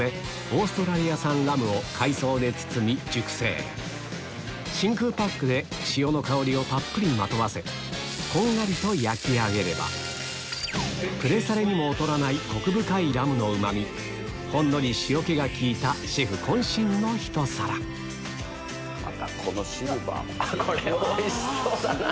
オーストラリア産ラムを海藻で包み熟成真空パックで塩の香りをたっぷりまとわせこんがりと焼き上げればプレサレにも劣らないコク深いラムのうまみほんのり塩気が利いたシェフ渾身のひと皿これはおいしそうだな。